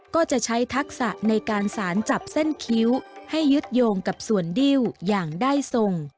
ก็จะใช้ทักษะในการสารจับเส้นคิ้วให้ยึดโยงกับส่วนดิ้วอย่างได้ทรง